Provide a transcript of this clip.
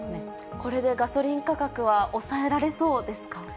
これでガソリン価格は抑えられそうですか？